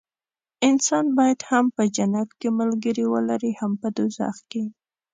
انسان باید هم په جنت کې ملګري ولري هم په دوزخ کې.